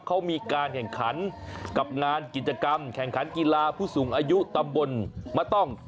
เขามีการแข่งขันกับงานกิจกรรมแข่งขันกีฬาผู้สูงอายุตำบลมะต้อง